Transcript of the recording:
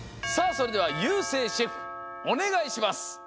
それではゆうせいシェフおねがいします！